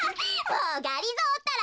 もうがりぞーったら。